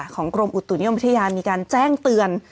กรมอุตุนิยมวิทยามีการแจ้งเตือน